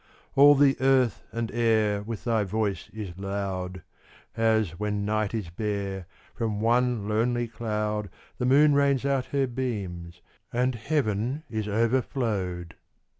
All the earth and air With thy voice is loud, As, when night is bare, From one lonely cloud The moon rains out her beams, and heaven is overflow'd.